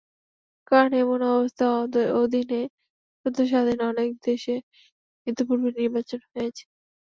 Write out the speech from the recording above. কারণ, এমন ব্যবস্থার অধীনে সদ্য স্বাধীন অনেক দেশে ইতিপূর্বে নির্বাচন হয়েছে।